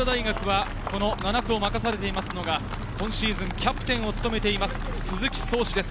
早稲田大学は７区を任されているのが今シーズン、キャプテンを務める鈴木創士です。